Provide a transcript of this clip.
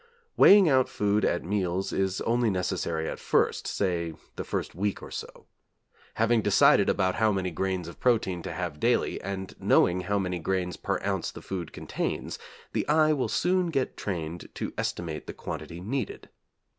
Weighing out food at meals is only necessary at first, say for the first week or so. Having decided about how many grains of protein to have daily, and knowing how many grains per ounce the food contains, the eye will soon get trained to estimate the quantity needed.